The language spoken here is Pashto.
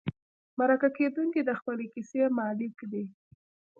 مرکه کېدونکی د خپلې کیسې مالک دی.